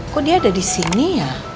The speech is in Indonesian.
kok dia ada disini ya